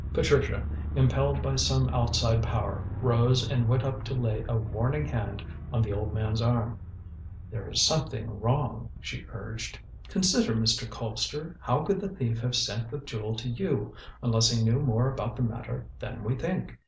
Patricia, impelled by some outside power, rose and went up to lay a warning hand on the old man's arm. "There is something wrong," she urged. "Consider, Mr. Colpster! How could the thief have sent the jewel to you unless he knew more about the matter than we think?